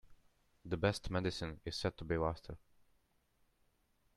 The best medicine is said to be laughter.